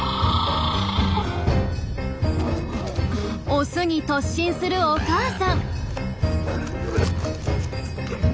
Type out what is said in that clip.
オスに突進するお母さん。